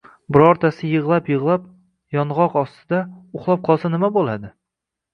Birortasi yig‘lab-yig‘lab, yong‘oq ostida... uxlab qolsa nima bo‘ladi?»